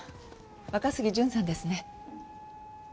若杉純さんですね。